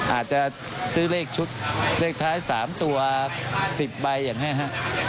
อาจจะซื้อเลขชุดเลขท้าย๓ตัว๑๐ใบอย่างนี้ฮะ